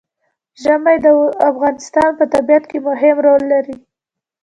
ژمی د افغانستان په طبیعت کې مهم رول لري.